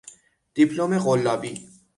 دیپلم قلابی